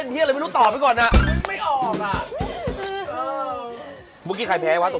ไม่รู้ตอบก่อนนะ